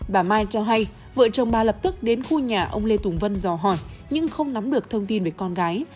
bà mai cho hay vợ chồng bà lập tức đến khu nhà ông lê tùng vân dò hỏi nhưng không nắm được thông tin về con gái